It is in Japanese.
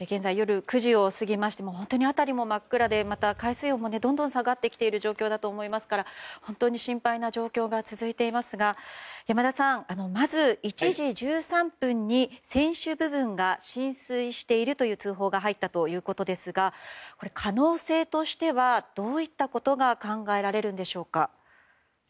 現在夜９時を過ぎまして辺りも真っ暗で海水温もどんどん下がってきている状況だと思いますから本当に心配な状況が続いていますが山田さん、まず１時１３分に船首部分が浸水しているという通報が入ったそうですが可能性としてはどういったことが考えられるでしょうか？